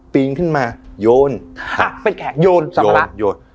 ปีนขึ้นมาโยนหักโยนโยนโยน